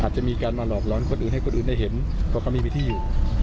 อาจจะมีการมาหลอกร้อนคนอื่นให้คนอื่นได้เห็นเพราะเขาไม่มีวิธีอยู่